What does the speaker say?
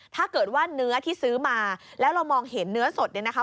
ถ้าเกิดว่าเนื้อที่ซื้อมาแล้วเรามองเห็นเนื้อสดเนี่ยนะคะ